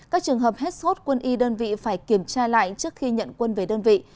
các trường hợp hết sốt quân y đơn vị phải kiểm tra lại trước khi nhận quân về đơn vị